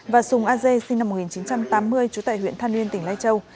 và sùng a dê sinh năm một nghìn chín trăm tám mươi trú tại huyện than uyên tỉnh lai châu